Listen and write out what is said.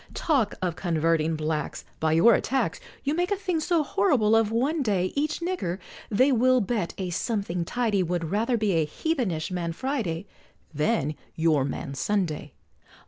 Talk of converting Blacks By your attacks, You make a thing so horrible of one day, Each nigger, they will bet a something tidy, Would rather be a heathenish Man Friday, Than your Man Sunday!